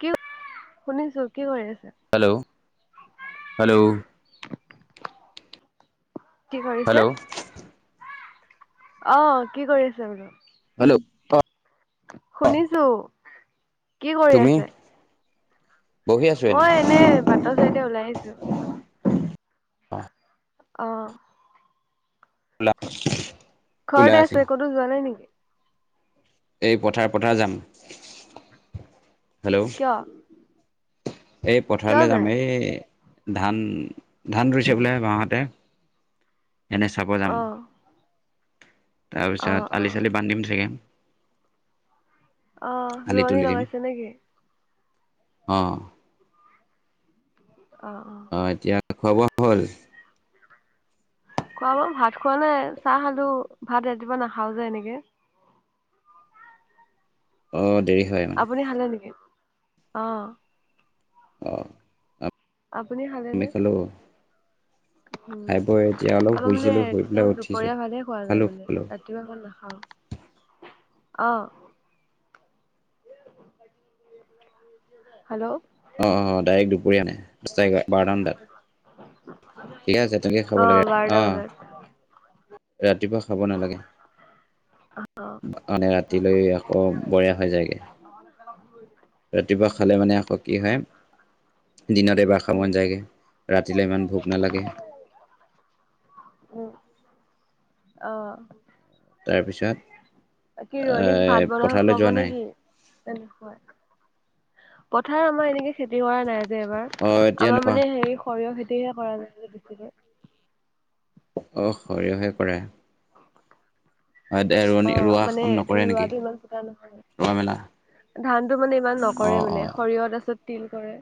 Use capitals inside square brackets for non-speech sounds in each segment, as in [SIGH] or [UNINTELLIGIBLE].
কি? শুনিছোঁ কি কৰি আছে? Hello hello? কি কৰিছে? হেল্ল' অ, কি কৰি আছে বাৰু? হেল্ল'? শুনিছোঁ, কি কৰি তুমি আছে? বহি আছো মই এনে বাটৰ চাইদে ওলাই আহিছোঁ। অ অ'। [UNINTELLIGIBLE] ওলাই ঘৰতে আছো আছে কতো যোৱা নাই নেকি? এই পথাৰ পথাৰ যাম, হেল্ল? অ'। এই পথাৰলৈ যাম যায় এই ধান ধান ৰুইছে বোলে মাহঁতে। এনে চাব যাম। অ অ তাৰপিছত অ আলি চালি বান্ধিম চাগে। অ, আলি ৰোৱনী তুলি দিম লগাইছে নেকি? অ'। অ, অ'। অ', এতিয়া খোৱা বোৱা হ'ল? খোৱা বোৱা ভাত খোৱা নাই ছাহ খালো ভাত ৰাতিপুৱা নাখাও যে এনেকে। অ', দেৰি হয়। মানে আপুনি খালা নেকি? অ'। অ আপুনি আমি খালেনে? খালো উম, খাই বৈ এতিয়া অলপ মানে শুইছিলো শুই পেলাই একদম উঠিছো দুপৰীয়া ফালে খোৱা খালো যায় খালো মানে। কিবাখন নাখাওঁ, অ'। হেল্ল'? অ', ডাইৰেক্ট দুপৰীয়া আনে। দ [UNINTELLIGIBLE] বাৰটা মান বজাত ঠিকে আছে তেনেকে অ খাব লাগে বাৰটা অ'। বজাত ৰাতিপুৱা খাব নালাগে অ মানে ৰাতিলৈ আকৌ বয়া হৈ যায়গে। [UNINTELLIGIBLE] ৰাতিপুৱা খালে মানে আকৌ কি হয় দিনত এবাৰ খাব মন যায়গে। ৰাতিলৈ ইমান ভোক নালাগে। উম। অ'। তাৰপিছত বাকী ৰোৱনীক ভাত বনাই পথাৰলৈ খুৱাব যোৱা নাই নেকি? নে নোখোৱাই? পথাৰ আমাৰ এনেকে খেতি কৰা নাই যে এইবাৰ অ এতিয়া আমাৰ নকৰা মানে হেৰি সৰিয়হ খেতিহে কৰা যায় বেছিকে অ', সৰিয়হে কৰে। ৰোৱনী অ', ৰোৱা মানে কাম নকৰে নেকি ৰোৱাটো ইমান [UNINTELLIGIBLE] ৰোৱা মেলা নহয়। ধানটো মানে ইমান অ নকৰে অ মানে সৰিয়হ তাৰপিছত তিল কৰে।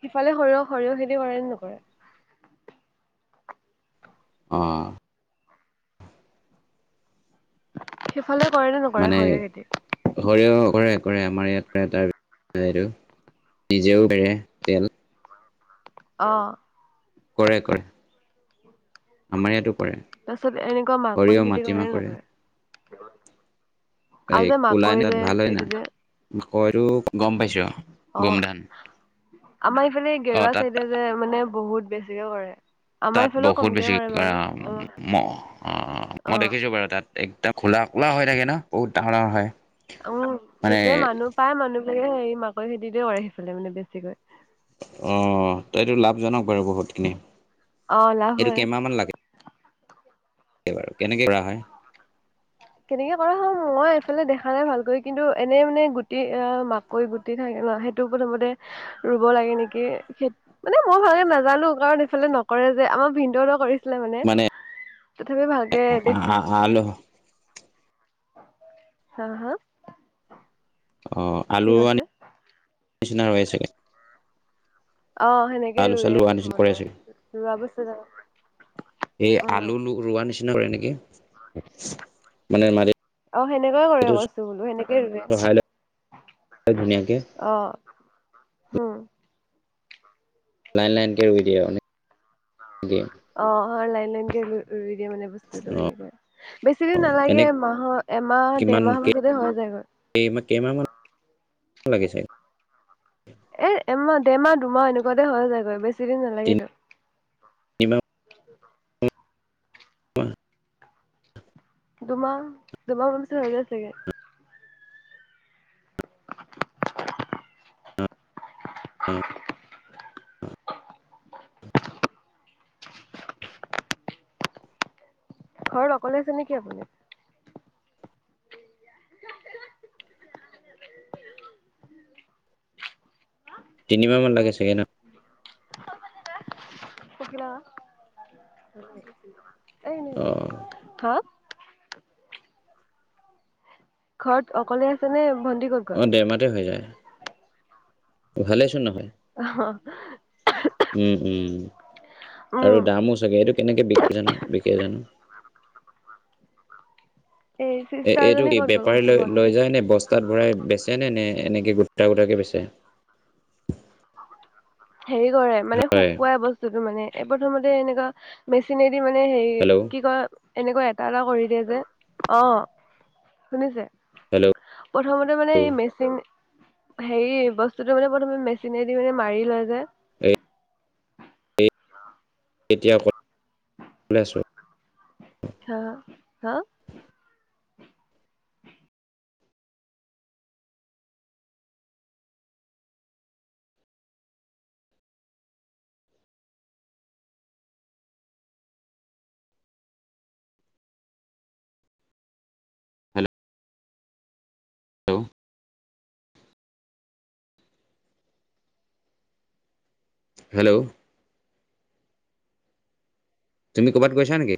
সিফালে সৰিয়হ সৰিয়হ খেতি কৰে নে নকৰে? অ'। সিফালে কৰে নে নকৰে মানে সৰিয়হ খেতি? সৰিয়হ কৰে কৰে আমাৰ ইয়াত কৰে [UNINTELLIGIBLE] নিজেও পেৰে তেল অহ কৰে কৰে আমাৰ ইয়াতো কৰে তাৰ পিছত এনেকুৱা সৰিয়হ মাকৈ খেতি কৰে মাটিমাহ নে নকৰে আও যে মাকৈ যে এইটো যে হয়টো গম পাইছো গোমধান অহ আমাৰ এইফালে অ গেৰুৱা তাত চাইডে যে মানে বহুত বেছিকে কৰে আমাৰ তাত ইফালেও বহুত কমকে বেছি কৰে বাৰু অ মহ অ অ মই অ'। দেখিছো বাৰু তাত একদম কোলা কোলা হৈ থাকে ন বহুত ডাঙৰ ডাঙৰ হয় অহ মানে গোটেই মানুহ প্ৰায় মানুহবোৰে হেৰি মাকৈ খেতিকে কৰে সেইফালে মানে বেছিকৈ অহ তই এইটো লাভজনক বাৰু বহুতখিনি অহ লাভ এইটো হয় কেনেকে বাৰু কেনেকে কৰা হয় কেনেকে কৰা হয় মই এইফালে দেখা নাই ভালকৈ কিন্তু এনেই মানে গুটি আহ মাক কৈ গুটি থাকে ন সেইটো প্ৰথমতে ৰুব লাগে নেকি সেই মানে মই ভালকে নাজানো কাৰণ এইফালে নকৰে যে আমাৰ ভিনদেউহতে কৰিছ কৰিছিলে মানে তথাপি ভালকে দেখ আলু হা হা অহ কি আলু আনি কৈছে? নিচিনা ৰুৱে চাগে অহ সেনেকে আলু চালু ৰুৱে ৰোৱা নিচিনা কৰে প্ৰথমতে চাগে ৰোৱা পাছত আৰু এই আলু লো ৰোৱা নিচিনা কৰে নেকি মানে মাৰি অহ সেনেকৈ কৰে কৈচো বোলোঁ সেনেকেই ৰুৱে চহাই লৈ ধুনীয়াকে অহ হোম লাইন লাইনকে ৰুই দিয়ে মানে অ' অ লাইন লাইনকে ৰুই, ৰুই দিয়ে মানে৷ বস্তুটো সেনেকৈ, বেছি অ দিন নালাগে এনে এ মাহৰ এমাহ দেৰমাহৰ মাজতে হৈ যায়গৈ৷ কেইমা, কেইমাহ মান লাগে চাগে এ এমাহ, দেৰমাহ, দুমাহ এনেকুৱাতে হৈ যায়গৈ, বেছি দিন নালাগেতো৷ তিনিমাহ [UNINTELLIGIBLE] [INAUDIBLE] দুমাহ, দুমাহমান পিছত হৈ যায় চাগে৷ ঘৰত অকলে আছে নেকি আপুনি? তিনিমাহ মান লাগে চাগে ন? অঁ [UNINTELLIGIBLE] হা? ঘৰত অকলে আছে নে, ভণ্টি ক'ত? গ'ল অ' দেৰ মাহতে হৈ যায়৷ ভালেইচোন নহয়৷ অহ উম, উম আৰু উম দামো চাগে এইটো কেনেকে বিক কৰে জানো-বিকে জানো? এই এ এইটো চিষ্টাৰজনী কি ক'ত গ'ল বেপাৰী কৈছো লৈ ভণ্টি লৈ যায় নে বস্তাত ভৰাই বেচে নে, নে এনেকে গোটা গোটাকে বেচে? হেৰি কৰে মানে হয় শুকুৱাই বস্তুটো মানে এই প্ৰথমতে এনেকুৱা মেচিনেদি মানে হেৰি হেল্ল' কি কয় এনেকৈ এটা এটা কৰি দিয়ে যে, অ' শুনিছে? হেল্ল' প্ৰথমতে মানে এই মেচিন হেৰি বস্তুটো মানে প্ৰথমে মেচিনে দি মানে মাৰি লয় যে এই এতিয়া ক'ত অকলে আছো? অ, হা? হেল্ল'। হেল্ল'। তুমি কবাত গৈছা নেকি?